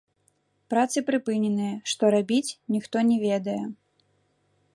Працы прыпыненыя, што рабіць, ніхто не ведае.